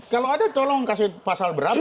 kalau ada tolong kasih pasal berapa